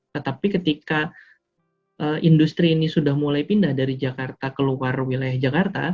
tetapi ketika industri ini sudah mulai pindah dari jakarta ke luar wilayah jakarta